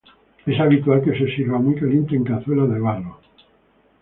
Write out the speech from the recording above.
Es habitual que se sirva muy caliente en cazuelas de barro.